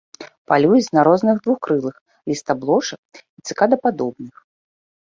Палююць на розных двухкрылых, лістаблошак і цыкадападобных.